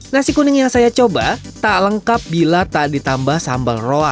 nasi kuning yang saya coba tak lengkap bila tak ditambah sambal roa